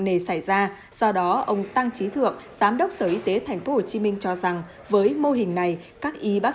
nề xảy ra do đó ông tăng trí thượng giám đốc sở y tế tp hcm cho rằng với mô hình này các y bác